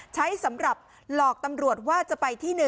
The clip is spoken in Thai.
ใช้สำหรับหลอกตำรวจว่าจะไปที่๑